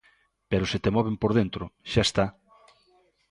Pero se te moven por dentro, xa está.